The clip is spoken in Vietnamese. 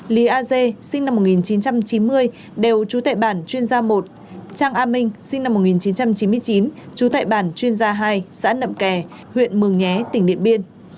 lý a dê sinh năm một nghìn chín trăm chín mươi đều trú tại bản chuyên gia một trang a minh sinh năm một nghìn chín trăm chín mươi chín trú tại bản chuyên gia hai xã nậm kè huyện mường nhé tỉnh điện biên